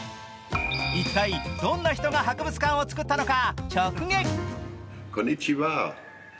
一体、どんな人が博物館をつくったのか直撃。